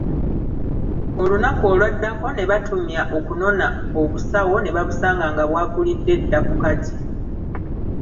Olunaku olwaddako ne batumya okunona obusawo ne basanga nga bwakulidde dda ku kati.